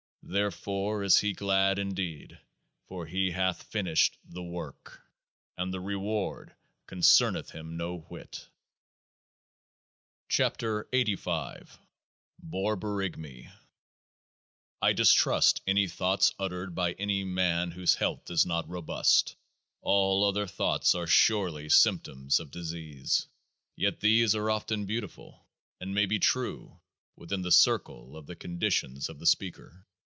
Therefore is he glad indeed ; for he hath finished THE WORK ; and the reward concerneth him no whit. 102 KEOAAH FIE BORBORYGMI I distrust any thoughts uttered by any man whose health is not robust. All other thoughts are surely symptoms of disease. Yet these are often beautiful, and may be true within the circle of the conditions of the speaker.